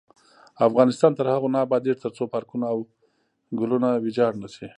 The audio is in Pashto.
افغانستان تر هغو نه ابادیږي، ترڅو پارکونه او ګلونه ویجاړ نشي.